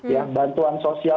ya bantuan sosial